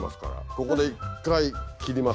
ここで１回切ります。